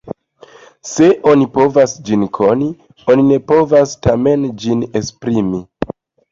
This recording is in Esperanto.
Se oni povas ĝin koni, oni ne povas tamen ĝin esprimi.